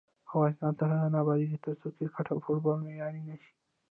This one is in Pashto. افغانستان تر هغو نه ابادیږي، ترڅو کرکټ او فوټبال معیاري نشي.